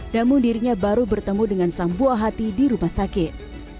namun dirinya baru bertemu dengan sang buah hati di rumah sakit